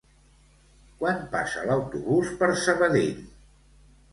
Quan passa l'autobús per Sabadell?